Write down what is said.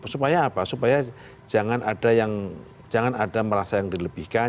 supaya apa supaya jangan ada yang jangan ada merasa yang dilebihkan